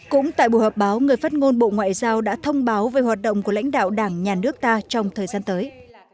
cũng tại buổi họp báo người phát ngôn bộ ngoại giao đã thông báo về hoạt động của lãnh đạo đảng nhà nước ta trong thời gian tới